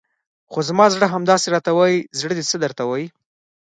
خو زما زړه همداسې راته وایي، زړه دې څه درته وایي؟